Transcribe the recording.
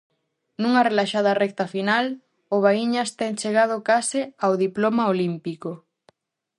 Nunha relaxada recta final, o Baíñas ten chegado case ao 'diploma olímpico'.